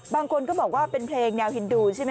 บางคนก็บอกว่าเป็นเพลงแนวฮินดูใช่ไหม